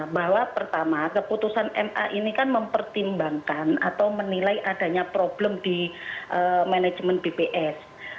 bahwa pertama keputusan ma ini kan mempertimbangkan atau menilai adanya problem di manajemen bps